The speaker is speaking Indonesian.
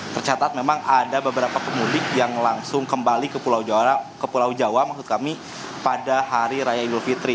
tercatat memang ada beberapa pemudik yang langsung kembali ke pulau jawa maksud kami pada hari raya idul fitri